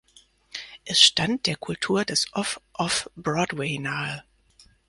Es stand der Kultur des Off-Off-Broadway nahe.